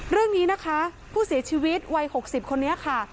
เรื่องนี้นะคะผู้เสียชีวิตวัย๖๐คนนี้ค่ะ